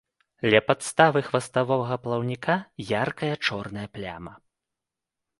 Ля падставы хваставога плаўніка яркая чорная пляма.